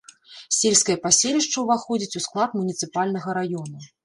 Сельскае паселішча ўваходзіць у склад муніцыпальнага раёна.